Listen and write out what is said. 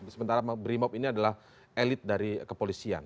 sementara brimob ini adalah elit dari kepolisian